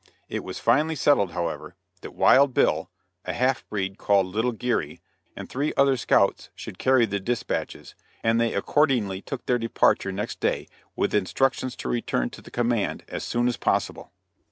It was finally settled, however, that Wild Bill, a half breed called Little Geary, and three other scouts should carry the dispatches, and they accordingly took their departure next day, with instructions to return to the command as soon as possible.